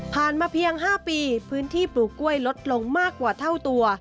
มาเพียง๕ปีพื้นที่ปลูกกล้วยลดลงมากกว่าเท่าตัว